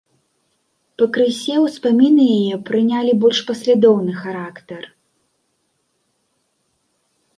Пакрысе ўспаміны яе прынялі больш паслядоўны характар.